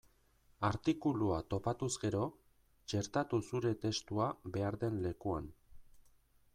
Artikulua topatuz gero, txertatu zure testua behar den lekuan.